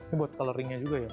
ini buat coloring nya juga ya